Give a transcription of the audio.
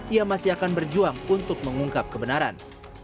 ia masih akan berjuang untuk mengungkap kebenaran